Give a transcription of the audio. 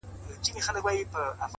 د نيچي ورځې لمر دی اوس به يې زوال وهي’